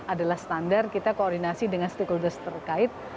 adalah standar kita koordinasi dengan stakeholders terkait